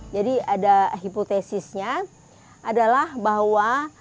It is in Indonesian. jadi ada hipotesisnya adalah bahwa